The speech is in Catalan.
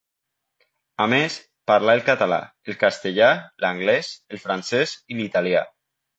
A més, parla el català, el castellà, l'anglès, el francès i l'italià.